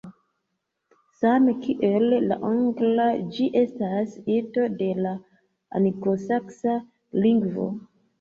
Same kiel la angla, ĝi estas ido de la anglosaksa lingvo.